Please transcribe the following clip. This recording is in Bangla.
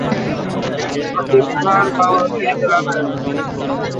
পুনরায় কোল্ন্ হয়ে রাইন, মাইন অঞ্চল পরিদর্শন।